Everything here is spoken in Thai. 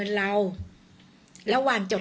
ทรัพย์สินที่เป็นของฝ่ายหญิง